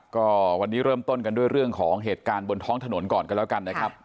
ก็วันนี้เริ่มต้นกันด้วยเรื่องของเหตุการณ์บนท้องถนนก่อนกันแล้วกันนะครับ